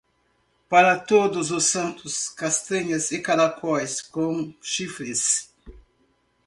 Para todos os santos, castanhas e caracóis com chifres.